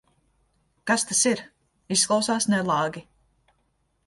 Kas tas ir? Izklausās nelāgi.